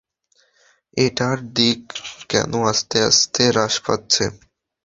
এটার দিক কেন আস্তে আস্তে হ্রাস পাচ্ছে?